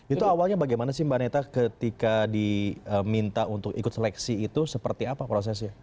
itu awalnya bagaimana sih mbak neta ketika diminta untuk ikut seleksi itu seperti apa prosesnya